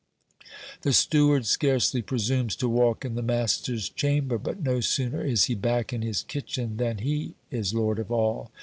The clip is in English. The steward scarcely presumes to walk in the master's chamber, but no sooner is he back in his kitchen, than he is lord of all.